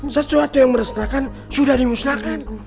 sesuatu yang meresahkan sudah dimusnahkan